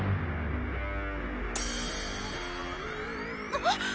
あっ！